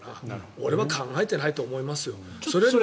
俺は考えてないと思いますよ。